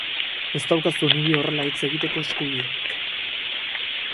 Ez daukazu niri horrela hitz egiteko eskubiderik.